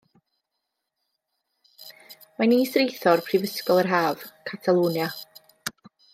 Mae'n Is-Reithor Prifysgol yr Haf, Catalwnia.